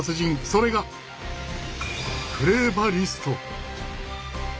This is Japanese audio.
それがフレーバリスト。